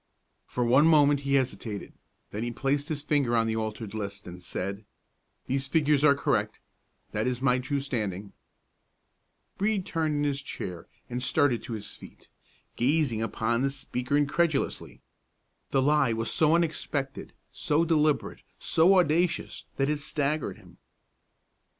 For one moment he hesitated; then he placed his finger on the altered list, and said: "These figures are correct. That is my true standing." [Illustration: "THESE FIGURES ARE CORRECT. THAT IS MY TRUE STANDING."] Brede turned in his chair and started to his feet, gazing upon the speaker incredulously. The lie was so unexpected, so deliberate, so audacious, that it staggered him.